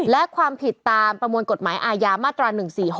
และความผิดตามประมวลกฎหมายอาญามาตรา๑๔๖